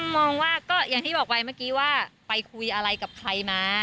มองว่าก็อย่างที่บอกไปเมื่อกี้ว่าไปคุยอะไรกับใครมา